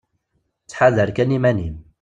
Tthadar kan iman-im.